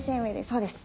そうです。